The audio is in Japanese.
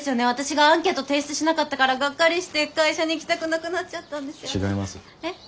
私がアンケートを提出しなかったからガッカリして会社に行きたくなくなっちゃったんですよね。